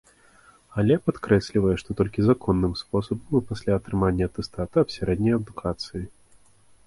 Але падкрэслівае, што толькі законным спосабам і пасля атрымання атэстата аб сярэдняй адукацыі.